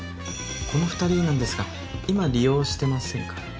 この２人なんですが今利用してませんか？